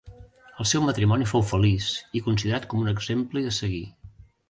El seu matrimoni fou feliç i considerat com un exemple a seguir.